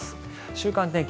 週間天気